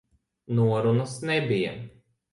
Norunas nebija.